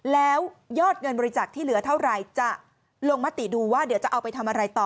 แล้วยอดเงินบริจาคที่เหลือเท่าไหร่จะลงมติดูว่าเดี๋ยวจะเอาไปทำอะไรต่อ